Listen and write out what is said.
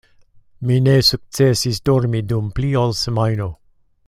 Mi ne sukcesis dormi dum pli ol semajno.